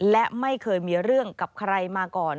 และไม่เคยมีเรื่องกับใครมาก่อน